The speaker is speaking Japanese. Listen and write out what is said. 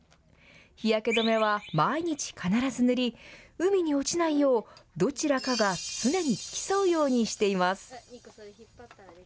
日焼け止めは毎日必ず塗り海に落ちないようどちらかが常に付き添うようにしています。